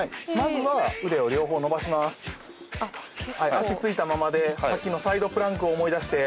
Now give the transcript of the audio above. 足ついたままでさっきのサイドプランクを思い出して。